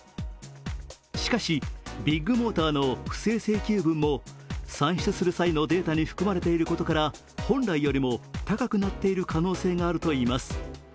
しかし、ビッグモーターの不正請求分も算出する際のデータに含まれていることから本来よりも高くなっている可能性があるといいます。